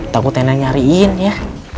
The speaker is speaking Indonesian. takut enak nyariin ya